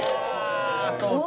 「そうか」